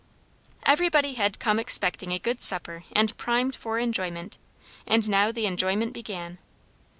Everybody had come expecting a good supper and primed for enjoyment; and now the enjoyment began.